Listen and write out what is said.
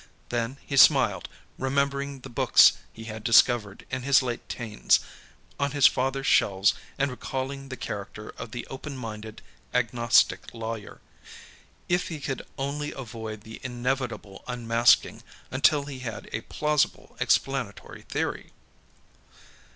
Then he smiled, remembering the books he had discovered, in his late 'teens, on his father's shelves and recalling the character of the openminded agnostic lawyer. If he could only avoid the inevitable unmasking until he had a plausible explanatory theory.